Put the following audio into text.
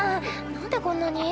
なんでこんなに？